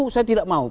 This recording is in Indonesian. saya tidak mau